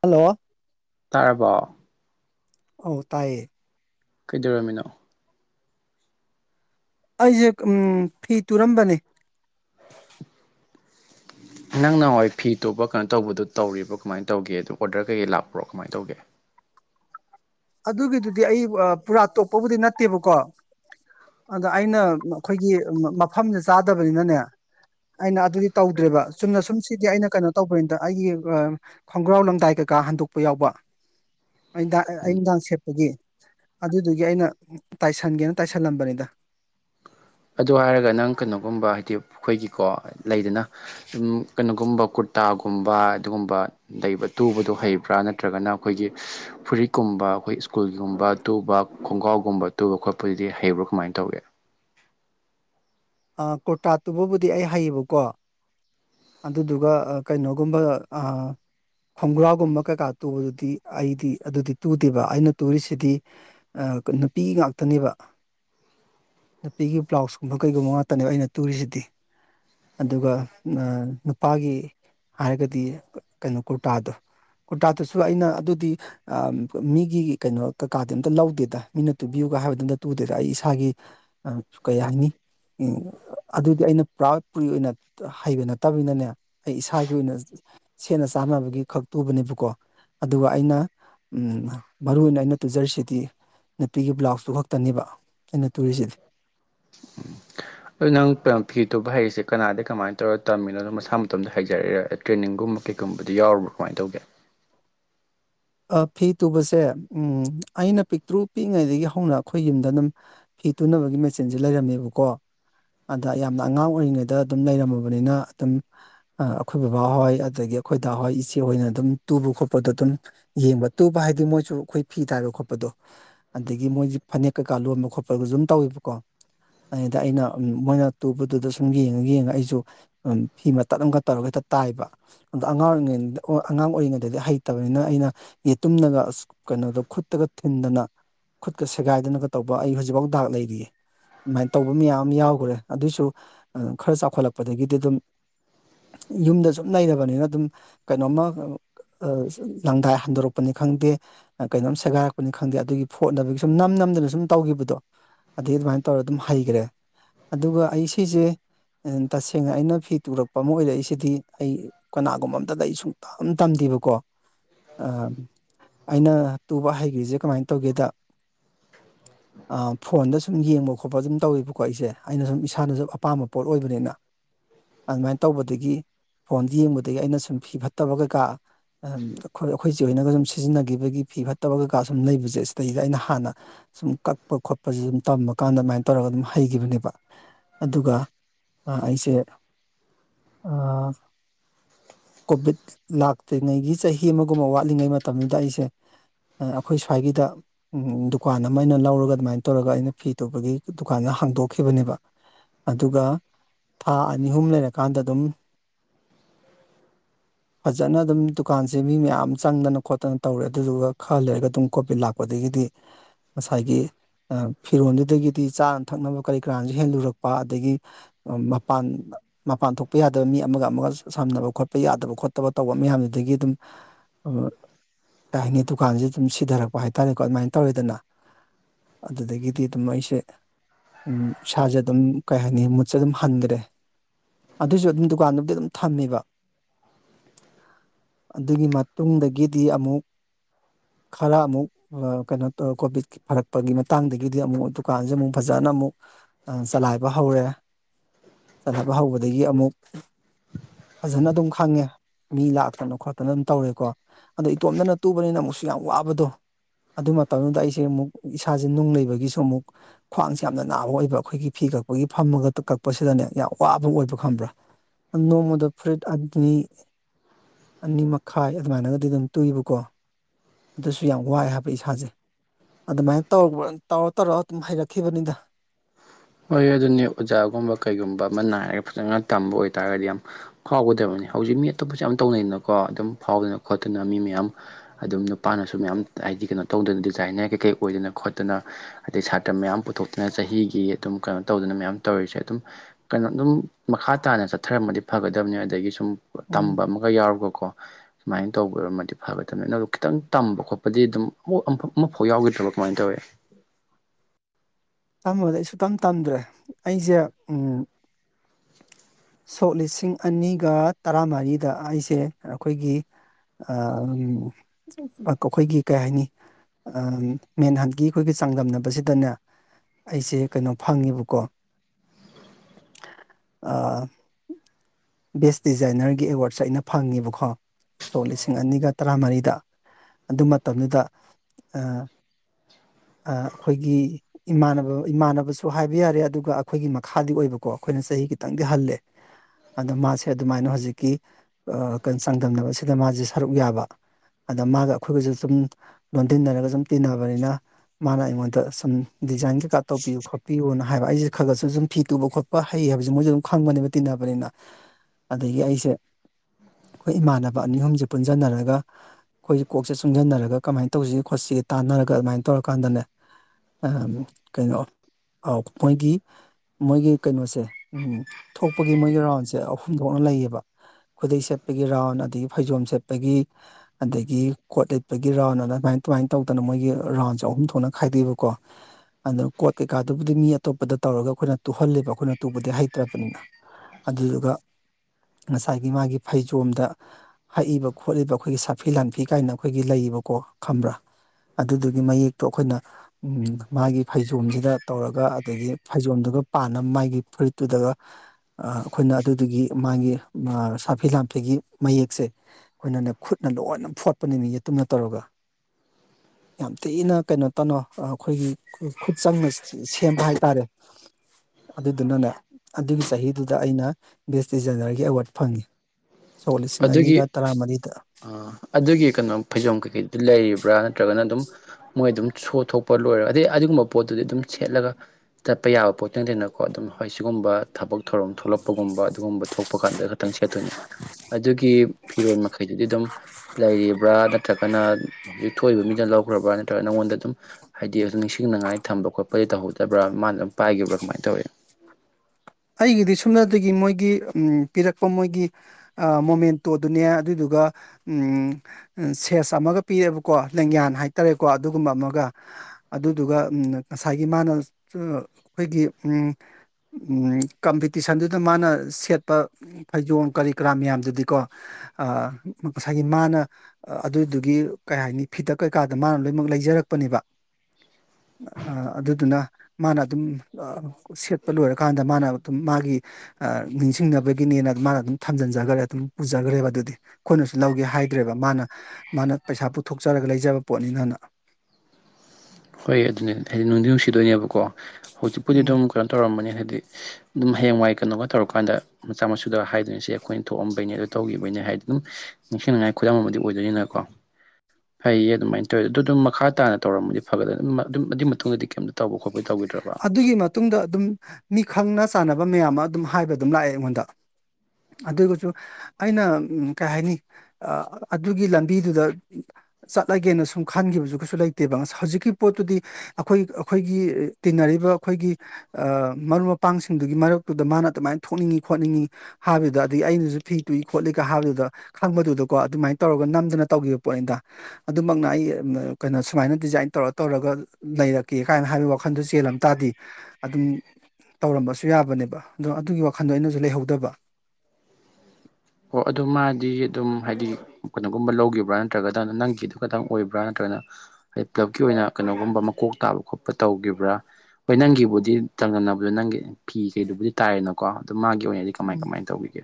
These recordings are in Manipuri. ꯍꯜꯂꯣ ꯇꯥꯔꯕꯣ ꯑꯧ ꯇꯥꯌꯦ ꯀꯩꯗꯧꯔꯝꯃꯤꯅꯣ ꯑꯩꯁꯦ ꯎꯝ ꯐꯤ ꯇꯨꯔꯝꯕꯅꯦ [inaudible] ꯅꯪ ꯅꯍꯋꯥꯏ ꯐꯤ ꯇꯨꯕ ꯀꯩꯅꯣ ꯇꯧꯕꯗꯨꯣ ꯇꯧꯔꯤꯕ꯭ꯔꯣ ꯀꯃꯥꯏꯅ ꯇꯧꯒꯦ ꯑꯗꯨ ꯑꯣꯔꯗꯔ ꯀꯩꯀꯩ ꯂꯥꯛꯄ꯭ꯔꯣ ꯀꯃꯥꯏ ꯇꯧꯒꯦ ꯑꯗꯨꯒꯤꯗꯨꯗꯤ ꯑꯩ ꯄꯨꯔꯥ ꯇꯣꯛꯄꯕꯨꯗꯤ ꯅꯠꯇꯦꯕꯀꯣ ꯑꯗ ꯑꯩꯅ ꯑꯩꯈꯣꯏꯒꯤ ꯃꯐꯝꯁꯦ ꯆꯥꯗꯕꯅꯤꯅꯅꯦ ꯑꯩꯅ ꯑꯗꯨꯗꯤ ꯇꯧꯗ꯭ꯔꯦꯕ ꯆꯨꯝꯅ ꯁꯨꯝ ꯁꯤꯗꯤ ꯑꯩꯅ ꯀꯩꯅꯣ ꯇꯧꯕꯅꯤꯗ ꯑꯩꯒꯤ ꯈꯣꯡꯒ꯭ꯔꯥꯎ ꯂꯝꯗꯥꯏ ꯀ ꯀꯥ ꯍꯟꯗꯣꯛꯄ ꯌꯥꯎꯕ ꯑꯩ ꯅꯨꯡꯗꯥꯡ ꯎꯝ ꯑꯌꯨꯡꯗꯥꯡ ꯁꯦꯠꯄꯒꯤ ꯑꯗꯨꯗꯨꯒꯤ ꯑꯩꯅ ꯇꯥꯏꯁꯟꯒꯦꯅ ꯇꯥꯏꯁꯜꯂꯝꯕꯅꯦꯗ ꯑꯗꯨ ꯍꯥꯏꯔꯒ ꯅꯪ ꯀꯩꯅꯣꯒꯨꯝꯕ ꯍꯥꯏꯗꯤ ꯑꯩꯈꯣꯏꯒꯤꯀꯣ ꯂꯩꯗꯅ ꯁꯨꯝ ꯀꯩꯅꯣꯒꯨꯝꯕ ꯀꯨꯔ ꯇꯥꯒꯨꯝꯕ ꯑꯗꯨꯒꯨꯝꯕ ꯂꯩꯕ ꯇꯨꯕꯗꯣ ꯍꯩꯕ꯭ꯔꯥ ꯅꯠꯇ꯭ꯔꯒꯅ ꯑꯩꯈꯣꯏꯒꯤ ꯐꯨꯔꯤꯠꯀꯨꯝꯕ ꯑꯩꯈꯣꯏ ꯁ꯭ꯀꯨꯜꯒꯨꯝꯕ ꯇꯨꯕ ꯈꯣꯡꯒꯥꯎꯒꯨꯝꯕ ꯇꯨꯕ ꯈꯣꯠꯄꯗꯨꯗꯤ ꯍꯩꯕ꯭ꯔꯣ ꯀꯃꯥꯏꯅ ꯇꯧꯒꯦ [inaudible] ꯑ ꯀꯨꯔꯇꯥ ꯇꯨꯕꯕꯨꯗꯤ ꯑꯩ ꯍꯩꯌꯦꯕꯀꯣ ꯑꯗꯨꯗꯨꯒ ꯀꯩ ꯅꯣꯒꯨꯝꯕ ꯑ ꯈꯣꯡꯒ꯭ꯔꯥꯒꯨꯝꯕ ꯀꯩꯀꯥ ꯇꯨꯕꯗꯨꯗꯤ ꯑꯩꯗꯤ ꯑꯗꯨꯗꯤ ꯇꯨꯗꯦꯕ ꯑꯩꯅ ꯇꯨꯔꯤꯁꯤꯗꯤ ꯑ ꯅꯨꯄꯤꯒꯤ ꯉꯥꯛꯇꯅꯦꯕ ꯅꯨꯄꯤꯒꯤ ꯕ꯭ꯂꯥꯎꯁꯀꯨꯝꯕ ꯀꯩꯒꯨꯝꯕ ꯑꯗꯣ ꯑꯩꯅ ꯇꯨꯔꯤꯁꯤꯗꯤ ꯑꯗꯨꯒ ꯑ ꯅꯨꯄꯥꯒꯤ ꯍꯥꯏꯔꯒꯗꯤ ꯀꯩꯅꯣ ꯀꯨꯔꯇꯥꯗꯨ ꯀꯨꯔꯇꯥꯗꯨꯁꯨ ꯑꯩꯅ ꯑꯗꯨꯗꯤ ꯑ ꯃꯤꯒꯤ ꯀꯩꯅꯣ ꯀꯀꯥꯗꯤ ꯑꯝꯇ ꯂꯧꯗꯦꯗ ꯃꯤꯅ ꯇꯨꯕꯤꯌꯨ ꯑꯗꯨꯒ ꯍꯥꯏꯕꯗꯨꯗ ꯇꯨꯗꯦꯗ ꯑꯩ ꯏꯁꯥꯒꯤ ꯀꯩ ꯍꯥꯏꯅꯤ ꯎ ꯑꯗꯨꯗꯤ ꯑꯩꯅ ꯄ꯭ꯔꯥꯎꯠ ꯄꯨꯔꯤ ꯑꯣꯏꯅ ꯍꯩꯕ ꯅꯠꯇꯕꯅꯤꯅꯅꯦ ꯑꯩ ꯏꯁꯥꯒꯤ ꯑꯣꯏꯅ ꯁꯦꯅ ꯆꯥ ꯆꯥꯅꯕꯒꯤ ꯈꯛꯇꯨꯕꯅꯦꯕꯀꯣ ꯑꯗꯨꯒ ꯑꯩꯅ ꯑꯝ ꯃꯔꯨ ꯑꯣꯏꯅ ꯑꯩꯅ ꯇꯨꯖꯔꯤꯁꯤꯗꯤ ꯅꯨꯄꯤꯒꯤ ꯕ꯭ꯂꯥꯎꯁꯇꯨ ꯈꯛꯇꯅꯦꯕ ꯑꯩꯅ ꯇꯨꯔꯤꯁꯤꯗꯤ ꯑꯗꯨ ꯅꯪ ꯐꯤ ꯇꯣꯕ ꯍꯥꯏꯔꯤꯁꯦ ꯀꯅꯥꯗ ꯀꯃꯥꯏꯅ ꯇꯧꯔꯒ ꯇꯝꯃꯤꯅꯣ ꯃꯁꯥ ꯃꯇꯣꯝꯗ ꯍꯩꯖꯔꯛ ꯢꯔ ꯇ꯭ꯔꯦꯅꯤꯡꯒꯨꯝ ꯀꯩꯀꯨꯝꯕꯗꯤ ꯌꯥꯎꯔꯨꯕ꯭ꯔꯥ ꯀꯃꯥꯏꯅ ꯇꯧꯒꯦ [inaudible] ꯑ ꯐꯤ ꯇꯨꯕꯁꯦ ꯑꯝ ꯑꯩꯅ ꯄꯤꯛꯇ꯭ꯔꯨ ꯄꯤꯛꯏꯉꯩꯗꯒꯤ ꯍꯧꯅ ꯑꯩꯈꯣꯏ ꯌꯨꯝꯗ ꯑꯗꯨꯝ ꯐꯤ ꯇꯨꯅꯕꯒꯤ ꯃꯦꯆꯤꯟꯁꯦ ꯂꯩꯔꯝꯃꯦꯕꯀꯣ ꯑꯗ ꯌꯥꯝꯅ ꯑꯉꯥꯡ ꯑꯣꯏꯔꯤꯉꯩꯗ ꯑꯗꯨꯝ ꯂꯩꯔꯝꯃꯕꯅꯤꯅ ꯑꯗꯨꯝ ꯑ ꯑꯩꯈꯣꯏ ꯕꯕꯥ ꯍꯣꯏ ꯑꯗꯒꯤ ꯑꯩꯈꯣꯏ ꯗ ꯍꯣꯏ ꯏꯆꯦ ꯍꯣꯏꯅ ꯑꯗꯨꯝ ꯇꯨꯕ ꯈꯣꯠꯄꯗ ꯑꯗꯨꯝ ꯌꯦꯡꯕ ꯇꯨꯕ ꯍꯥꯏꯗꯤ ꯃꯣꯏꯁꯨ ꯑꯩꯈꯣꯏ ꯐꯤ ꯇꯥꯏꯕ ꯈꯣꯠꯄꯗꯣ ꯑꯗꯒꯤ ꯃꯣꯏꯁꯤ ꯐꯅꯦꯛ ꯀꯩꯀꯥ ꯂꯣꯟꯕ ꯈꯣꯠꯄꯒꯤ ꯑꯗꯨꯨꯝ ꯇꯧꯋꯦꯕꯀꯣ ꯑꯗꯩꯗ ꯑꯩꯅ ꯃꯣꯏꯅ ꯇꯨꯕꯗꯨꯗ ꯁꯨꯝ ꯌꯦꯡꯉ ꯌꯦꯡꯉ ꯑꯩꯁꯨ ꯑ ꯐꯤ ꯃꯇꯠ ꯑꯃꯒ ꯇꯧꯔꯒ ꯍꯦꯇ ꯇꯥꯏꯕ ꯑꯗꯣ ꯑꯉꯥꯡ ꯑꯣꯏꯔꯤꯉꯩꯗ ꯑꯉꯥꯡ ꯑꯣꯏꯔꯤꯉꯩꯗꯗꯤ ꯍꯩꯇꯕꯅꯤꯅ ꯑꯩꯅ ꯌꯦꯇꯨꯝꯅꯒ ꯑꯁ ꯀꯩꯅꯣꯗꯣ ꯈꯨꯠꯇꯒ ꯊꯤꯟꯗꯅ ꯈꯨꯠꯀ ꯁꯦꯒꯥꯏꯗꯅꯒ ꯇꯧꯕ ꯑꯩ ꯍꯧꯖꯤꯛꯐꯥꯎ ꯗꯥꯛ ꯂꯩꯔꯤꯌꯦ ꯑꯗꯨꯃꯥꯏꯅ ꯇꯧꯕ ꯃꯌꯥꯝ ꯑꯃ ꯌꯥꯎꯈ꯭ꯔꯦ ꯑꯗꯨꯏꯁꯨ ꯈꯔ ꯆꯥꯎꯈꯠꯂꯛꯄꯗꯒꯤꯗꯤ ꯑꯗꯨꯝ ꯌꯨꯝꯗ ꯁꯨꯝ ꯂꯩꯔꯕꯅꯤꯅ ꯑꯗꯨꯝ ꯀꯩꯅꯣꯝꯃ ꯑ ꯂꯪꯗꯥꯏ ꯍꯟꯗꯣꯔꯛꯄꯅꯤ ꯈꯪꯗꯦ ꯀꯩꯅꯣꯝ ꯁꯦꯒꯥꯏꯔꯛꯄꯅꯤ ꯈꯪꯗꯦ ꯑꯗꯨꯒꯤ ꯐꯣꯠꯅꯕꯒꯤ ꯁꯨꯝ ꯅꯝ ꯅꯝꯗꯅ ꯁꯨꯝ ꯇꯧꯈꯤꯕꯗꯣ ꯑꯗꯒꯤ ꯑꯗꯨꯃꯥꯏꯅ ꯇꯧꯔꯒ ꯑꯗꯨꯝ ꯍꯩꯈ꯭ꯔꯦ ꯑꯗꯨꯒ ꯑꯩ ꯁꯤꯁꯦ ꯑꯦ ꯇꯁꯦꯡꯅ ꯑꯩꯅ ꯐꯤ ꯇꯨꯔꯛꯄ ꯑꯃ ꯑꯣꯏꯔꯛꯏꯁꯤꯗꯤ ꯑꯩ ꯀꯅꯥꯒꯨꯝꯕ ꯑꯝꯇꯗ ꯑꯩ ꯁꯨꯡꯇꯝ ꯇꯝꯗꯦꯕꯀꯣ ꯑ ꯑꯩꯅ ꯇꯨꯕ ꯍꯩꯒ꯭ꯔꯤꯁꯦ ꯀꯃꯥꯏ ꯇꯧꯒꯦꯗ [inaudible] ꯑ ꯐꯣꯟꯗ ꯁꯨꯝ ꯌꯦꯡꯕ ꯈꯣꯠꯄ ꯑꯗꯨꯨꯝ ꯇꯧꯋꯕꯀꯣ ꯑꯩꯁꯦ ꯑꯩꯅ ꯁꯨꯝ ꯏꯁꯥꯅꯁꯨ ꯑꯄꯥꯝꯕ ꯄꯣꯠ ꯑꯣꯏꯕꯅꯤꯅ ꯑꯗꯨꯃꯥꯏꯅ ꯇꯧꯕꯗꯒꯤ ꯐꯣꯟ ꯌꯦꯡꯕꯗꯒꯤ ꯑꯩꯅ ꯁꯨꯝ ꯐꯤ ꯐꯠꯇꯕ ꯀꯩꯀꯥ ꯑꯩꯈꯣꯏ ꯑꯩꯈꯣꯢ ꯆꯦ ꯍꯣꯢꯅꯒ ꯁꯨꯝ ꯁꯤꯖꯤꯟꯅꯈꯤꯕꯒꯤ ꯐꯤ ꯐꯠꯇꯕ ꯀꯩꯀꯥ ꯁꯨꯝ ꯂꯩꯕꯁꯦ ꯁꯤꯗꯩꯗ ꯑꯩꯅ ꯍꯥꯟꯅ ꯁꯨꯝ ꯀꯛꯄ ꯀꯛꯄ ꯈꯣꯠꯄꯁꯤ ꯑꯗꯨꯝ ꯇꯃ ꯀꯥꯟꯗ ꯑꯗꯨꯃꯥꯏꯅ ꯇꯧꯔꯒ ꯑꯗꯨꯝ ꯍꯩꯈꯤꯕꯅꯦꯕ ꯑꯗꯨꯒ ꯑ ꯑꯩꯁꯦ ꯑ ꯀꯣꯚꯤꯠ ꯂꯥꯛꯇ꯭ꯔꯤꯉꯩꯒꯤ ꯆꯍꯤ ꯑꯃꯒꯨꯝꯕ ꯋꯥꯠꯂꯤꯉꯩ ꯃꯇꯝꯗꯨꯗ ꯑꯩꯁꯦ ꯑ ꯑꯩꯈꯣꯏ ꯁ꯭ꯋꯥꯏꯒꯤꯗ ꯗꯨꯀꯥꯟ ꯑꯃ ꯑꯩꯅ ꯂꯧꯔꯒ ꯑꯗꯨꯃꯥꯏꯅ ꯇꯧꯔꯒ ꯑꯩꯅ ꯐꯤ ꯇꯨꯕꯒꯤ ꯗꯨꯀꯥꯟꯗꯣ ꯍꯥ ꯍꯥꯡꯗꯣꯛꯈꯤꯕꯅꯦꯕ ꯑꯗꯨꯒ ꯊꯥ ꯑꯅꯤ ꯑꯍꯨꯝ ꯂꯩꯔꯀꯥꯟꯗ ꯑꯗꯨꯝ ꯐꯖꯅ ꯑꯗꯨꯝ ꯗꯨꯀꯥꯟ ꯁꯦ ꯃꯤ ꯃꯌꯥꯝ ꯆꯪꯗꯅ ꯈꯣꯠꯇꯅ ꯇꯧꯔꯦ ꯑꯗꯨꯗꯨꯒ ꯈꯔ ꯂꯩꯔꯒ ꯑꯗꯨꯝ ꯀꯣꯚꯤꯠ ꯂꯥꯛꯄꯗꯒꯤꯗꯤ ꯉꯁꯥꯏꯒꯤ ꯐꯤꯔꯣꯜꯗꯨꯗꯒꯤꯗꯤ ꯆꯥꯅ ꯊꯛꯅꯕ ꯀꯔꯤ ꯀꯔꯥꯅꯁꯨ ꯍꯦꯟꯗꯣꯔꯛꯄ ꯑꯗꯒꯤ ꯃꯄꯥꯟ ꯃꯄꯥꯟ ꯊꯣꯛꯄ ꯌꯥꯗꯕ ꯃꯤ ꯑꯃꯒ ꯑꯃꯒ ꯁꯝꯅꯕ ꯈꯣꯠꯄ ꯌꯥꯗꯕ ꯈꯣꯠꯇꯕ ꯇꯧꯕ ꯃꯌꯥꯝꯗꯨꯗꯒꯤ ꯑꯗꯨꯝ ꯑ ꯀꯩ ꯍꯥꯏꯅꯤ ꯗꯨꯀꯥꯟꯁꯦ ꯑꯗꯨꯝ ꯁꯤꯊꯔꯛꯄ ꯍꯥꯏꯇꯥꯥꯔꯦꯀꯣ ꯑꯗꯨꯃꯥꯏꯅ ꯇꯧꯔꯦꯗꯅ ꯑꯗꯨꯗꯒꯤꯗꯤ ꯑꯗꯨꯝ ꯑꯩꯁꯦ ꯎꯝ ꯏꯁꯥꯁꯦ ꯑꯗꯨꯝ ꯀꯩ ꯍꯥꯏꯅꯤ ꯃꯨꯠꯁꯦ ꯑꯗꯨꯝ ꯍꯟꯈ꯭ꯔꯦ ꯑꯗꯨꯁꯨ ꯑꯗꯨꯝ ꯗꯨꯀꯥꯟꯗꯨꯕꯨꯗꯤ ꯑꯗꯨꯝ ꯊꯝꯃꯦꯕ ꯑꯗꯨꯒꯤ ꯃꯇꯨꯡꯗꯒꯤꯗꯤ ꯑꯃꯨꯛ ꯈꯔ ꯑꯃꯨꯛ ꯑꯥ ꯀꯩꯅꯣ ꯇꯧ ꯀꯣꯚꯤꯠꯀꯤ ꯐꯔꯛꯄꯒꯤ ꯃꯇꯥꯡꯗꯒꯤꯗꯤ ꯑꯃꯨꯛ ꯗꯨꯀꯥꯟꯁꯦ ꯑꯃꯨꯛ ꯐꯖꯥ ꯅꯃꯨꯛ ꯆꯂꯥꯏꯕ ꯍꯧꯔꯦ ꯆꯂꯥꯏꯕ ꯍꯧꯕꯗꯒꯤ ꯑꯃꯨꯛ ꯐꯖꯅ ꯑꯗꯨꯝ ꯈꯪꯉꯦ ꯃꯤ ꯂꯥꯛꯇꯅ ꯈꯣꯠꯇ ꯇꯅ ꯑꯗꯨꯝ ꯇꯧꯔꯦꯀꯣ ꯑꯗꯣ ꯏꯇꯣꯝꯇꯅ ꯇꯨꯕꯅꯤꯅ ꯑꯃꯨꯛꯁꯨ ꯌꯥꯝ ꯋꯥꯕꯗꯣ ꯑꯗꯨ ꯃꯇꯝꯗꯨꯗ ꯑꯩꯁꯦ ꯑꯃꯨꯛ ꯏꯁꯥꯁꯦ ꯅꯨꯡ ꯂꯩꯕꯒꯤꯁꯨ ꯑꯃꯨꯛ ꯈ꯭ꯋꯥꯡꯁꯦ ꯌꯥꯝꯅ ꯅꯥꯕ ꯑꯣꯏꯕ ꯑꯩꯈꯣꯏꯒꯤ ꯐꯤ ꯔꯛꯄꯒꯤ ꯐꯝꯃꯒ ꯀꯛꯄꯁꯤꯗꯅꯦ ꯌꯥꯝ ꯋꯥꯕ ꯑꯣꯏꯕ ꯈꯪꯕ꯭ꯔꯥ ꯅꯣꯡꯃꯗ ꯐꯨꯔꯤꯠ ꯑꯅꯤ ꯑꯅꯤ ꯃꯈꯥꯏ ꯑꯗꯨꯃꯥꯏꯅꯒꯗꯤ ꯑꯗꯨꯝ ꯇꯨꯏꯕꯀꯣ ꯑꯗꯨꯁꯨ ꯌꯥꯝ ꯋꯥꯏ ꯍꯥꯏꯕ ꯏꯁꯥꯖꯦ ꯑꯗꯨꯃꯥꯏꯅ ꯇꯧꯕ ꯇꯧꯔ ꯇꯧꯔ ꯑꯗꯨꯝ ꯍꯩꯔꯛꯈꯤꯕꯅꯤꯗ ꯍꯣꯏ ꯑꯗꯨꯅꯤ ꯑꯣꯖꯥꯒꯨꯝꯕ ꯀꯩꯒꯨꯝꯕ ꯑꯃ ꯅꯥꯏꯔꯒ ꯐꯖꯅ ꯇꯝꯕ ꯑꯣꯏꯇꯥꯔꯒꯗꯤ ꯌꯥꯝ ꯐꯥꯎꯒꯗꯕꯅꯤ ꯍꯧꯖꯤꯛ ꯃꯤ ꯑꯇꯣꯞꯄꯁꯨ ꯌꯥꯝ ꯇꯧꯅꯩꯗꯅꯀꯣ ꯑꯗꯨꯝ ꯐꯥꯎꯗꯅ ꯈꯣꯠꯇꯅ ꯃꯤ ꯃꯌꯥꯝ ꯑꯗꯨꯝ ꯅꯨꯄꯥꯅꯁꯨ ꯃꯌꯥꯝ ꯍꯥꯏꯗꯤ ꯀꯩꯅꯣ ꯇꯧꯗꯅ ꯗꯤꯖꯥꯏꯅꯔ ꯀꯩꯀꯩ ꯑꯣꯏꯗꯅ ꯈꯣꯠꯇꯅ ꯑꯗꯩ ꯁꯥꯇ꯭ꯔ ꯃꯌꯥꯝ ꯄꯨꯊꯣꯛꯇꯅ ꯆꯍꯤꯒꯤ ꯑꯗꯨꯝ ꯀꯩꯅꯣ ꯇꯧꯗꯅ ꯃꯌꯥꯝ ꯇꯧꯔꯤꯁꯦ ꯑꯗꯨꯝ ꯀꯩꯅꯣ ꯑꯗꯨꯝ ꯃꯈꯥ ꯇꯥꯅ ꯆꯠꯊꯔꯝꯃꯗꯤ ꯐꯒꯗꯕꯅꯤ ꯑꯗꯒꯤ ꯁꯨꯝ ꯎꯝ ꯇꯝꯕ ꯑꯃꯒ ꯌꯥꯎꯔꯒꯀꯣ ꯁꯨꯃꯥꯏꯅ ꯇꯧꯕ ꯑꯣꯢꯔꯃꯗꯤ ꯐꯒꯗꯕꯅꯦ ꯅꯪꯗꯣ ꯈꯤꯇꯪ ꯇꯝꯕ ꯈꯣꯠꯄꯗꯤ ꯑꯗꯨꯝ ꯑꯃꯐꯥꯎ ꯌꯥꯎꯈꯤꯗ꯭ꯔꯕ ꯀꯃꯥꯏꯅ ꯇꯧꯢ [inaudible] ꯇꯝꯕꯗꯤ ꯑꯩ ꯁꯨꯛꯇꯝ ꯇꯝꯗ꯭ꯔꯦ ꯑꯩꯖꯦ ꯎꯝ ꯁꯣꯛ ꯂꯤꯁꯤꯡ ꯑꯅꯤꯒ ꯇꯔꯥꯃꯔꯤꯗ ꯑꯩꯁꯦ ꯑꯩꯈꯣꯏꯒꯤ ꯑꯥ ꯑꯩꯈꯣꯏꯒꯤ ꯀꯩ ꯍꯥꯏꯅꯤ ꯃꯦꯟꯍꯟꯒꯤ ꯑꯩꯈꯣꯏꯒꯤ ꯆꯥꯡꯗꯝꯅꯕꯁꯤꯗꯅꯦ ꯑꯩꯁꯦ ꯀꯩꯅꯣ ꯐꯪꯉꯦꯕꯀꯣ ꯑꯥ ꯕꯦꯁ ꯗꯤꯖꯥꯏꯅꯔꯒꯤ ꯑꯦꯋꯥꯔꯠꯁꯦ ꯑꯩꯅ ꯐꯪꯉꯦꯕꯀꯣ ꯁꯣꯛ ꯂꯤꯁꯤꯡ ꯑꯅꯤꯒ ꯇꯔꯥꯃꯔꯤꯗ ꯑꯗꯨ ꯃꯇꯝꯗꯨꯗ ꯑꯥ ꯑꯥ ꯑꯩꯈꯣꯏꯒꯤ ꯏꯃꯥꯟꯅꯕ ꯏꯃꯥꯟꯅꯕꯁꯨ ꯍꯥꯏꯕ ꯌꯥꯔꯦ ꯑꯗꯨꯒ ꯑꯈꯣꯏꯒꯤ ꯃꯈꯥꯗꯤ ꯑꯣꯏꯕꯀꯣ ꯑꯩꯈꯣꯏꯅ ꯆꯍꯤ ꯈꯤꯇꯪꯗꯤ ꯍꯜꯂꯦ ꯑꯗꯣ ꯃꯥꯁꯦ ꯑꯗꯨꯃꯥꯏꯅ ꯍꯧꯖꯤꯛꯀꯤ ꯑꯥ ꯆꯥꯡꯗꯝꯅꯕꯁꯤꯗ ꯃꯥꯁꯦ ꯁꯔꯨꯛ ꯌꯥꯕ ꯑꯗ ꯃꯥꯒ ꯑꯩꯈꯣꯏꯒꯁꯨ ꯁꯨꯝ ꯂꯣꯟꯗꯤꯟꯅꯔꯒ ꯁꯨꯝ ꯇꯤꯟꯅꯕꯅꯤꯅ ꯃꯥꯅ ꯑꯩꯉꯣꯟꯗ ꯁꯨꯝ ꯗꯤꯖꯥꯏꯟ ꯀꯩꯀꯥ ꯇꯧꯕꯤꯌꯨ ꯈꯣꯠꯄꯤꯌꯨꯅ ꯍꯥꯏꯕ ꯑꯩꯁꯦ ꯈꯔ ꯈꯔ ꯁꯨꯝ ꯁꯨꯝ ꯐꯤ ꯇꯨꯕ ꯈꯣꯠꯄ ꯍꯩ ꯍꯥꯏꯕꯁꯦ ꯃꯣꯏꯁꯨ ꯑꯗꯨꯝ ꯈꯪꯕꯅꯦꯕ ꯇꯤꯟꯅꯕ ꯅꯤꯅ ꯑꯗꯒꯤ ꯑꯩꯁꯦ ꯑꯩꯈꯣꯏ ꯏꯃꯥꯟꯅꯕ ꯑꯅꯤ ꯑꯍꯨꯝꯁꯦ ꯄꯨꯟꯖꯟꯅꯔꯒ ꯑꯩꯈꯣꯏꯖꯦ ꯀꯣꯛꯁꯦ ꯆꯨꯡꯁꯤꯟꯅꯔꯒ ꯀꯃꯥꯏꯅ ꯇꯧꯁꯤꯒꯦ ꯈꯣꯠꯁꯤꯒꯦ ꯇꯥꯟꯅꯔꯒ ꯑꯗꯨꯃꯥꯏꯅ ꯇꯧꯔꯀꯥꯟꯗꯅꯦ ꯑꯝ ꯀꯩꯅꯣ ꯑꯧ ꯃꯣꯏꯒꯤ ꯃꯣꯏꯒꯤ ꯀꯩꯅꯣꯁꯦ ꯎꯝ ꯊꯣꯛꯄꯒꯤ ꯃꯣꯏꯒꯤ ꯔꯥꯎꯟꯁꯦ ꯑꯍꯨꯝ ꯊꯣꯛꯅ ꯂꯩꯌꯦꯕ ꯈꯨꯗꯩ ꯁꯦꯠ ꯈꯣꯏꯒꯤ ꯔꯥꯎꯟ ꯑꯗꯒꯤ ꯐꯩꯖꯣꯝ ꯁꯦꯠꯄꯒꯤ ꯑꯗꯒꯤ ꯀꯣꯠ ꯂꯤꯠꯄꯒꯤ ꯔꯥꯎꯟ ꯑꯅ ꯑꯗꯨꯃꯥꯏ ꯑꯗꯨꯃꯥꯏꯅ ꯇꯧꯗꯅ ꯃꯣꯏꯒꯤ ꯔꯥꯎꯟꯁꯦ ꯑꯍꯨꯝ ꯊꯣꯛꯅ ꯈꯥꯏꯗꯣꯛꯑꯦꯕꯀꯣ ꯑꯗ ꯀꯣꯠ ꯀꯩꯀꯥꯗꯨꯕꯨꯗꯤ ꯃꯤ ꯑꯇꯣꯞꯄꯗ ꯇꯧꯔꯒ ꯑꯩꯈꯣꯏꯅ ꯇꯨꯍꯜꯂꯦꯕ ꯑꯩꯈꯣꯏꯅ ꯇꯨꯕꯗꯤ ꯍꯩꯇ꯭ꯔꯕꯅꯤꯅ ꯑꯗꯨꯗꯨꯒ ꯉꯁꯥꯏꯒꯤ ꯃꯥꯒꯤ ꯐꯩꯖꯣꯝꯗ ꯍꯛꯏꯕ ꯈꯣꯠꯂꯤꯕ ꯑꯩꯈꯣꯏꯒꯤ ꯁꯥꯐꯤ ꯂꯥꯟꯐꯤ ꯀꯥꯏꯅ ꯑꯩꯈꯣꯏꯒꯤ ꯂꯩ ꯕꯀꯣ ꯈꯝꯕ꯭ꯔꯥ ꯑꯗꯨꯗꯨꯒꯤ ꯃꯌꯦꯛꯇꯣ ꯑꯩꯈꯣꯏꯅ ꯎꯝ ꯃꯥꯒꯤ ꯐꯩꯖꯣꯝꯁꯤꯗ ꯇꯧꯔꯒ ꯑꯗꯒꯤ ꯐꯩꯖꯣꯝꯗꯨꯒ ꯄꯥꯟꯅ ꯃꯥꯒꯤ ꯐꯨꯔꯤꯠꯇꯨꯗꯒ ꯑꯥ ꯑꯩꯈꯣꯏꯅ ꯑꯗꯨꯗꯨꯒꯤ ꯃꯥꯒꯤ ꯑꯥ ꯁꯥꯐꯤ ꯂꯥꯟꯐꯤꯒꯤ ꯃꯌꯦꯛꯁꯦ ꯑꯩꯈꯣꯏꯅꯅꯦ ꯈꯨꯠꯅ ꯂꯣꯏꯅ ꯐꯣꯠꯄꯅꯦꯃꯤ ꯌꯦꯇꯨꯝꯅ ꯇꯧꯔꯒ ꯌꯥꯝ ꯊꯤꯅ ꯀꯩꯅꯣ ꯇꯧꯅꯣ ꯑꯥ ꯑꯩꯈꯣꯏꯒꯤ ꯈꯨ ꯈꯨꯠ ꯆꯪꯅ ꯁꯦꯝꯕ ꯍꯥꯏꯇꯥꯔꯦ ꯑꯗꯨꯗꯨꯅꯅꯦ ꯑꯗꯨꯒꯤ ꯆꯍꯤꯗꯨꯗ ꯑꯩꯅ ꯕꯦꯁ ꯗꯤꯖꯥꯏꯟꯅꯔꯒꯤ ꯑꯦꯋꯥꯔꯗ ꯐꯪꯉꯤ ꯁꯣꯛ ꯂꯤꯁꯤꯡ ꯑꯗꯨꯒꯤ ꯑꯅꯤꯒ ꯇꯔꯥꯃꯔꯤ ꯑꯥ ꯑꯗꯨꯒꯤ ꯀꯩꯅꯣ ꯐꯩꯖꯣꯝ ꯀꯩꯀꯩꯗꯨ ꯂꯩꯔꯤꯕ꯭ꯔꯥ ꯅꯠꯇ꯭ꯔꯒꯅ ꯑꯗꯨꯝ ꯃꯣꯏ ꯑꯗꯨꯝ ꯁꯣ ꯊꯣꯛ ꯄ ꯂꯣꯏꯔꯒ ꯑꯗꯩ ꯑꯗꯨꯒꯨꯝꯕ ꯄꯣꯠꯇꯨꯗꯤ ꯑꯗꯨꯝ ꯁꯦꯠꯂꯒ ꯆꯠꯄ ꯌꯥꯕ ꯄꯣꯠꯇꯤ ꯅꯠꯇꯦꯅꯀꯣ ꯑꯗꯨꯝ ꯍꯣꯏ ꯁꯤꯒꯨꯝꯕ ꯊꯕꯛ ꯊꯧꯔꯝ ꯊꯣꯛꯂꯛꯄꯒꯨꯝꯕ ꯑꯗꯨꯒꯨꯝꯕ ꯊꯣꯛꯄ ꯀꯥꯟꯗ ꯈꯤꯇꯪ ꯁꯦꯠꯇꯣꯏꯅꯤ ꯒꯤ ꯐꯤꯔꯣꯜ ꯃꯈꯩꯗꯨꯗꯤ ꯗꯨꯝ ꯂꯩꯔꯤꯕ꯭ꯔꯥ ꯅꯠꯇ꯭ꯔꯒꯅ ꯊꯣꯛꯏꯕ ꯃꯤꯅ ꯂꯧꯈ꯭ꯔꯕ꯭ꯔꯥ ꯅꯠꯇ꯭ꯔꯒ ꯅꯉꯣꯟꯗ ꯗꯨꯝ ꯍꯥꯏꯗꯤ ꯅꯤꯡꯁꯤꯡꯅꯉꯥꯏ ꯊꯝꯕ ꯈꯣꯠꯄ ꯇꯧꯍꯧꯗꯕ꯭ꯔꯥ ꯃꯥꯅ ꯄꯥꯏꯒꯤꯕ꯭ꯔꯥ ꯀꯃꯥꯏ ꯇꯧꯋꯤ [unintelligible] ꯑꯩꯒꯤꯗꯤ ꯁꯨꯞꯅꯇꯒꯤ ꯃꯣꯏꯒꯤ ꯎꯝ ꯄꯤꯔꯛꯄ ꯃꯣꯏꯒꯤ ꯃꯣꯃꯦꯟꯇꯣꯗꯨꯅꯦ ꯑꯗꯨ ꯗꯨ ꯒ ꯎꯝ ꯁꯦꯁ ꯑꯃꯒ ꯄꯤꯌꯦꯕꯀꯣ ꯂꯦꯡꯌꯥꯟ ꯍꯥꯏꯇꯥꯔꯦꯀꯣ ꯑꯗꯨꯒꯨꯝꯕ ꯑꯃꯒ ꯑꯗꯨꯗꯨꯒ ꯉꯁꯥꯏꯒꯤ ꯃꯥꯅ ꯑꯩꯈꯣꯏꯒꯤ ꯎꯝ ꯎꯝ ꯀꯝꯄꯤꯇꯤꯁꯟꯗꯨꯗ ꯃꯥꯅ ꯁꯦꯠꯄ ꯐꯩꯖꯣꯝ ꯀꯔꯤ ꯀꯔꯥ ꯃꯌꯥꯝꯗꯨꯗꯤꯀꯣ ꯑꯥ ꯉꯁꯥꯏꯒꯤ ꯃꯥꯅ ꯑꯗꯨꯗꯨꯒꯤ ꯀꯩ ꯍꯥꯏꯅꯤ ꯐꯤꯗꯛ ꯀꯩꯀꯥꯗ ꯃꯥꯅ ꯂꯣꯏꯃꯛ ꯂꯩꯖꯔꯛꯄꯅꯦꯕ [inaudible] ꯑꯗꯨꯗꯨꯅ ꯃꯥꯅ ꯗꯨꯝ ꯁꯦꯠꯄ ꯂꯣꯏꯔꯀꯥꯟꯗ ꯃꯥꯅ ꯗꯨꯝ ꯃꯥꯒꯤ ꯑꯥ ꯅꯤꯡꯁꯤꯡꯅꯕꯒꯤꯅꯦꯅ ꯃꯥꯅ ꯑꯗꯨꯝ ꯊꯝꯖꯟꯖꯒꯔꯦ ꯑꯗꯨꯝ ꯄꯨꯖꯈꯔꯦꯕ ꯑꯗꯨꯗꯤ ꯈꯣꯏꯅ ꯂꯧꯒꯦ ꯍꯥꯏꯗ꯭ꯔꯦꯕ ꯃꯥꯅ ꯃꯥꯅ ꯄꯩꯁꯥ ꯄꯨꯊꯣꯛꯆꯔꯒ ꯂꯩꯖꯕ ꯄꯣꯠꯅꯤꯅꯅ [inaudible] ꯍꯣꯏ ꯑꯗꯨꯅꯦ ꯍꯥꯏꯗꯤ ꯅꯨꯡꯗꯤ ꯅꯨꯡꯁꯤꯗꯣꯏꯅꯦꯕꯀꯣ ꯍꯧꯖꯤꯛꯄꯨꯗꯤ ꯎꯝ ꯗꯨꯝ ꯀꯩꯅꯣ ꯇꯧꯔꯝꯃꯅꯤ ꯍꯥꯏꯗꯤ ꯗꯨꯝ ꯍꯌꯦꯡꯋꯥꯏ ꯀꯩꯅꯣꯒ ꯇꯧꯔꯀꯥꯟꯗ ꯃꯆꯥ ꯃꯁꯨꯗ ꯍꯥꯏꯗꯣꯏꯅꯦ ꯁꯦ ꯈꯣꯏ ꯊꯣꯛꯑꯝꯕꯩꯅꯦ ꯑꯗꯨ ꯇꯧꯈꯤꯕꯒꯤꯅꯦ ꯍꯥꯏꯗꯤ ꯗꯨꯝ ꯅꯤꯡꯁꯤꯡꯅꯤꯉꯥꯏ ꯈꯨꯗꯝ ꯑꯃꯗꯤ ꯑꯣꯏꯗꯣꯏꯅꯤꯅꯀꯣ ꯐꯩꯌꯦ ꯑꯗꯨꯃꯥꯏꯅ ꯇꯧꯋꯦ ꯇꯨ ꯗꯨꯝ ꯃꯈꯥ ꯇꯥꯅ ꯇꯧꯔꯝꯃꯗꯤ ꯐꯒꯗꯅꯤ ꯑꯗꯨꯝ ꯑꯗꯨꯏ ꯃꯇꯨꯡꯗꯗꯤ ꯀꯩꯝꯇ ꯇꯧꯕ ꯈꯣꯠꯄ ꯇꯧꯈꯤꯗ꯭ꯔꯕ ꯑꯗꯨꯒꯤ ꯃꯇꯨꯡꯗ ꯑꯗꯨꯝ ꯃꯤ ꯈꯪꯅ ꯆꯥꯟꯅꯕ ꯃꯌꯥꯝ ꯃ ꯗꯨꯝ ꯍꯥꯏꯕ ꯗꯨꯝ ꯂꯥꯛꯑꯦ ꯑꯩꯉꯣꯟꯗ ꯑꯗꯨꯒꯖꯨ ꯑꯩꯅ ꯀꯩ ꯍꯥꯏꯅꯤ ꯑꯗꯨꯒꯤ ꯂꯝꯕꯤꯗꯨꯗ ꯆꯠꯂꯒꯦꯅ ꯁꯨꯝ ꯈꯟꯈꯤꯕꯁꯨ ꯀꯩꯁꯨ ꯂꯩꯇꯦꯕ ꯍꯨꯖꯤꯛꯀꯤ ꯄꯣꯠꯇꯨꯗꯤ ꯑꯈꯣꯏ ꯑꯩꯈꯣꯏꯒꯤ ꯇꯤꯟꯅꯔꯤꯕ ꯈꯣꯏꯒꯤ ꯑꯥ ꯃꯔꯨꯞ ꯃꯄꯥꯡꯁꯤꯡꯗꯨꯒꯤ ꯃꯔꯛꯇꯨꯗ ꯃꯥꯅ ꯑꯗꯨꯃꯥꯏꯅ ꯊꯣꯛꯅꯤꯡꯉꯤ ꯈꯣꯠꯅꯤꯡꯉꯤ ꯍꯥꯏꯕꯤꯗ ꯑꯗꯒꯤ ꯑꯩꯅꯖꯨ ꯐꯤ ꯇꯨꯏ ꯈꯣꯠꯂꯤꯒ ꯍꯥꯏꯕꯗꯨꯗ ꯈꯪꯕꯗꯨꯗꯣꯀꯣ ꯑꯗꯨꯃꯥꯏꯅ ꯇꯧꯔꯒ ꯅꯝꯗꯅ ꯇꯧꯒꯤꯕ ꯄꯣꯠꯅꯤꯗ ꯑꯗꯨꯃꯛꯅ ꯑꯩ ꯀꯩꯅꯣ ꯁꯨꯃꯥꯏꯅ ꯗꯤꯖꯥꯏꯟ ꯇꯧꯔ ꯇꯧꯔꯒ ꯂꯩꯔꯛꯀꯦ ꯀꯥꯏꯅ ꯍꯥꯏꯕ ꯋꯥꯈꯜ ꯈꯟꯗꯣ ꯆꯦꯜꯂꯝ ꯇꯥꯗꯤ ꯑꯗꯨꯝ ꯇꯧꯔꯝꯕꯁꯨ ꯌꯥꯕꯅꯦꯕ ꯑꯗꯣ ꯑꯗꯨꯒꯤ ꯋꯥꯈꯟꯗꯣ ꯑꯩꯅꯖꯨ ꯂꯩꯍꯧꯗꯕ ꯑꯣ ꯑꯗꯨ ꯃꯥꯗꯤ ꯗꯨꯝ ꯍꯥꯏꯗꯤ ꯀꯩꯅꯣꯒꯨꯝꯕ ꯂꯧꯒꯤꯕ꯭ꯔꯥ ꯅꯠꯇ꯭ꯔꯒꯗꯅ ꯅꯪꯒꯤꯗꯨ ꯈꯇꯪ ꯑꯣꯏꯕ꯭ꯔꯥ ꯅꯠꯇ꯭ꯔꯒꯅ ꯍꯥꯏ ꯄꯨꯂꯞꯀꯤ ꯑꯣꯏꯅ ꯀꯩꯅꯣꯒꯨꯝꯕ ꯃꯀꯣꯛ ꯇꯥꯕ ꯈꯣꯠꯄ ꯇꯧꯒꯤꯕ꯭ꯔꯥ ꯍꯣꯏ ꯅꯪꯒꯤꯕꯨꯗꯤ ꯆꯥꯡꯗꯝꯅꯕꯗꯣ ꯅꯪꯒꯤ ꯐꯤ ꯀꯩꯗꯨꯕꯨꯗꯤ ꯇꯥꯏꯔꯦꯅꯀꯣ ꯑꯗꯨ ꯃꯥꯒꯤ [unintelligible] ꯀꯃꯥꯏ ꯎꯝ ꯀꯃꯥꯏꯅ ꯇꯧꯒꯤꯒꯦ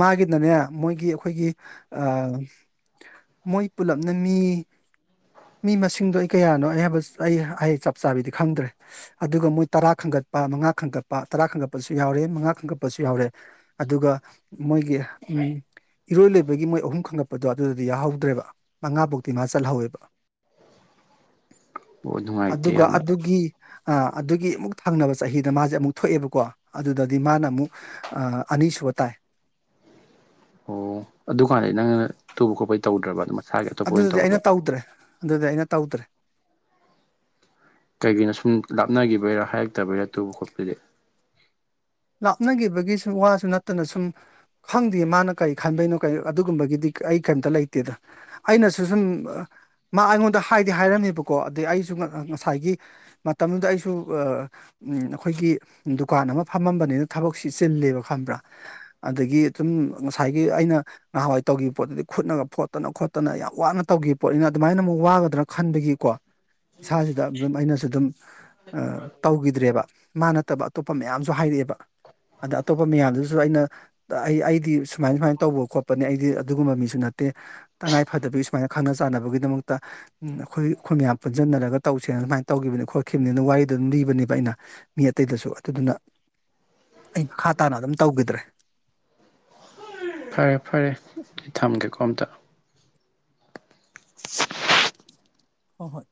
ꯃꯥꯒꯤꯅꯅꯦ ꯃꯣꯏꯒꯤ ꯈꯣꯏꯒꯤ ꯑꯥ ꯃꯣꯏ ꯄꯨꯂꯞꯅꯃꯤ ꯃꯤ ꯃꯁꯤꯡꯗꯣ ꯑꯩ ꯀꯌꯥꯅꯣ ꯑꯩꯍꯕ ꯑꯩ ꯍꯡ ꯆꯞ ꯆꯥꯕꯤꯗꯤ ꯈꯪꯗ꯭ꯔꯦ ꯑꯗꯨꯒ ꯃꯣꯏ ꯇꯔꯥ ꯈꯪꯒꯠ ꯄ ꯃꯉꯥ ꯈꯟꯒꯠꯄ ꯇꯔꯥ ꯈꯟꯒꯠꯄꯁꯨ ꯌꯥꯎꯔꯦ ꯃꯉꯥ ꯈꯟꯒꯠꯄꯁꯨ ꯌꯥꯎꯔꯦ ꯑꯗꯨꯒ ꯃꯣꯏꯒꯤ ꯏꯔꯣꯏ ꯂꯣꯏꯕꯒꯤ ꯃꯣꯏ ꯑꯍꯨꯝ ꯈꯪꯒꯠꯄꯗꯣ ꯑꯗꯨꯗꯨꯗꯤ ꯌꯥꯍꯧꯗ꯭ꯔꯦꯕ ꯃꯉꯥ ꯕꯧꯇꯤ ꯃꯥ ꯆꯜꯍꯧꯋꯦꯕ ꯑꯣ ꯅꯨꯡꯉꯥꯏꯇꯦ ꯑꯗꯨꯒ ꯌꯥꯝꯅ ꯑꯗꯨꯒꯤ ꯑꯥ ꯑꯗꯨꯒꯤ ꯃꯨꯛ ꯊꯪꯅꯕ ꯆꯍꯤꯗ ꯃꯥꯖꯦ ꯑꯃꯨꯛ ꯊꯣꯛꯑꯦꯕꯀꯣ ꯑꯗꯨꯗꯗꯤ ꯃꯥꯅ ꯃꯨꯛ ꯑꯅꯤꯁꯨꯕ ꯇꯥꯢ ꯑꯣ ꯑꯗꯨ ꯀꯥꯟꯗꯗꯤ ꯅꯪꯅ ꯇꯨꯕ ꯈꯣꯠꯄꯩ ꯇꯧꯗ꯭ꯔꯕ ꯑꯗꯨꯃꯥꯏꯅ ꯑꯗꯨꯗꯤ ꯑꯩꯅ ꯇꯧꯗ꯭ꯔꯦ ꯑꯗꯨꯗꯤ ꯑꯩꯅ ꯇꯧꯗ꯭ꯔꯦ ꯀꯩꯒꯤꯅꯣ ꯁꯨꯝ ꯂꯥꯞꯅꯒꯤꯕꯩꯔꯥ ꯍꯥꯏꯔꯛꯇꯕꯩꯔꯥ ꯇꯨꯕ ꯈꯣꯠꯄꯗꯤ ꯂꯥꯞꯅꯒꯤꯕꯒꯤ ꯁꯨꯝ ꯋꯥꯁꯨ ꯅꯠꯇꯅ ꯁꯨꯝ ꯈꯪꯗꯦ ꯃꯥꯅ ꯀꯔꯤ ꯈꯟꯕꯩꯅꯣ ꯀꯔꯤ ꯑꯗꯨꯒꯨꯝꯕꯒꯤꯗꯤ ꯑꯩ ꯀꯩꯝꯇ ꯂꯩꯇꯦꯗ ꯑꯩꯅꯁꯨ ꯁꯨꯝ ꯃꯥ ꯑꯩꯉꯣꯟꯗ ꯍꯥꯏꯗꯤ ꯍꯥꯏꯔꯝꯃꯦꯕꯀꯣ ꯑꯗꯩ ꯑꯩꯖꯨ ꯉꯁꯥꯏꯒꯤ ꯃꯇꯝꯗꯨꯗ ꯑꯩꯖꯨ ꯑꯥ ꯎꯝ ꯑꯈꯣꯏꯒꯤ ꯗꯨꯀꯥꯟ ꯑꯃ ꯐꯝꯃꯝꯕꯅꯤꯅ ꯊꯕꯛꯁꯤ ꯆꯤꯜꯂꯦꯕ ꯈꯪꯕ꯭ꯔꯥ ꯑꯗꯒꯤ ꯗꯨꯝ ꯉꯁꯥꯏꯒꯤ ꯑꯩꯅ ꯅꯍꯥꯟꯋꯥꯏ ꯇꯧꯒꯤꯕ ꯄꯣꯠꯇꯨꯗꯤ ꯈꯨꯠꯅꯒ ꯐꯣꯠꯇꯅ ꯈꯣꯠꯇꯅ ꯌꯥꯝ ꯋꯥꯅ ꯇꯧꯒꯤꯕ ꯄꯣꯠꯅꯤꯅ ꯑꯗꯨꯃꯥꯏꯅ ꯃꯨꯛ ꯋꯥꯒꯗ꯭ꯔꯥ ꯈꯟꯕꯒꯤꯀꯣ ꯏꯁꯥꯖꯤꯗ ꯑꯗꯨꯝ ꯑꯩꯅꯖꯨ ꯗꯨꯝ ꯇꯧꯒꯤꯗ꯭ꯔꯦꯕ ꯃꯥ ꯅꯠꯇꯕ ꯑꯇꯣꯞꯄ ꯃꯌꯥꯝꯖꯨ ꯍꯥꯏꯔꯛꯑꯦꯕ ꯑꯗ ꯑꯇꯣꯞꯄ ꯃꯌꯥꯝꯗꯨꯖꯨ ꯑꯩꯅ ꯑꯩ ꯑꯩꯗꯤ ꯁꯨꯃꯥꯏ ꯁꯨꯃꯥꯏꯅ ꯇꯧꯕ ꯈꯣꯠꯄꯅꯤ ꯑꯩꯗꯤ ꯑꯗꯨꯒꯨꯝꯕ ꯃꯤꯁꯨ ꯅꯠ ꯇꯦ ꯇꯉꯥꯏ ꯐꯗꯕꯒꯤ ꯁꯨꯃꯥꯏꯅ ꯈꯪꯅ ꯆꯥꯟꯅꯕꯒꯤꯗꯃꯛꯇ ꯎꯝ ꯑꯩꯈꯣꯏ ꯑꯩꯈꯣꯏ ꯃꯌꯥꯝ ꯄꯨꯟꯖꯟꯅꯔꯒ ꯇꯧꯁꯦ ꯑꯗꯨꯃꯥꯏꯅ ꯇꯧꯈꯤꯕꯅꯤ ꯈꯣꯠꯈꯤꯕꯅꯤꯅ ꯋꯥꯔꯤꯗꯣ ꯑꯗꯨꯝ ꯂꯤꯕꯅꯦꯕ ꯑꯩꯅ ꯃꯤ ꯑꯇꯩꯗꯁꯨ ꯑꯗꯨꯗꯨꯅ ꯑꯩ ꯃꯈꯥ ꯇꯥꯅ ꯑꯗꯨꯝ ꯇꯧꯒꯤꯗ꯭ꯔꯦ ꯐꯔꯦ ꯐꯔꯦ ꯑꯩ ꯊꯝꯒꯦꯀꯣ ꯑꯝꯇ ꯍꯣꯏ ꯍꯣꯏ